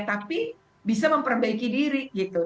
tapi bisa memperbaiki diri gitu